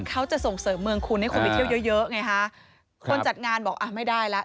เขาจะส่งเสริมเมืองคุณให้คนไปเที่ยวเยอะเยอะไงฮะคนจัดงานบอกอ่ะไม่ได้แล้ว